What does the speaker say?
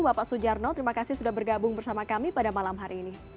bapak sujarno terima kasih sudah bergabung bersama kami pada malam hari ini